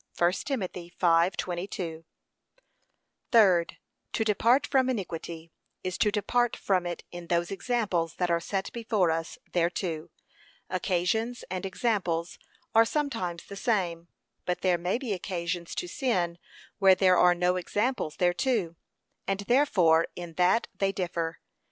(1 Tim. 5:22) Third, To depart from iniquity, is to depart from it in those EXAMPLES that are set before us thereto: occasions and examples are sometimes the same, but there may be occasions to sin where there are no examples thereto, and therefore in that they differ.